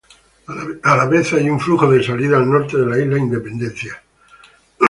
A la vez hay un flujo de salida al norte de la isla Independencia.